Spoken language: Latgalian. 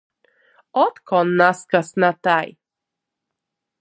Otkon nazkas na tai.